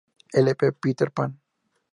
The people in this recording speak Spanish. Lp "Peter Pan".